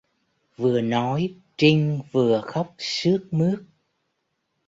Vừa nói Trinh vừa khóc sướt mướt